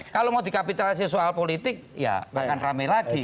kalau mau dikapitalisasi soal politik ya akan rame lagi